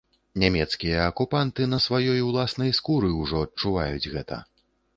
Нямецкія акупанты на сваёй уласнай скуры ўжо адчуваюць гэта.